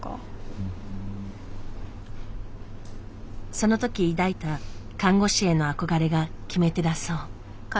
そのとき抱いた看護師への憧れが決め手だそう。